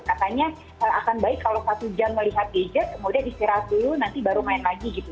katanya akan baik kalau satu jam melihat gadget kemudian istirahat dulu nanti baru main lagi gitu